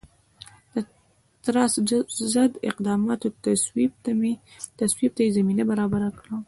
د ټراست ضد اقداماتو تصویب ته یې زمینه برابره کړه.